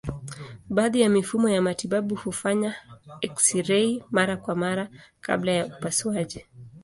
Baadhi ya mifumo ya matibabu hufanya eksirei mara kwa mara kabla ya upasuaji.